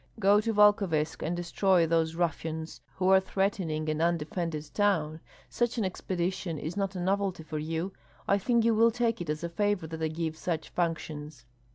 Go to Volkovysk and destroy those ruffians who are threatening an undefended town. Such an expedition is not a novelty for you; I think you will take it as a favor that I give such functions."